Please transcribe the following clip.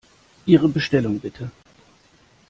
Ihre Bestellung, bitte!